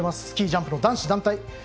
スキージャンプの男子団体。